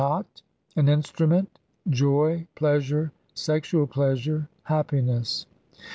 An instrument. Joy, pleasure, sexual pleasure, happiness.